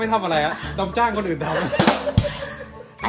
ไม่ทำอะไรร้องจ้างคนอื่นทำ